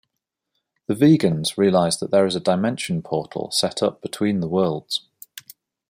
The Vegans realize that there is a dimension portal set up between the worlds.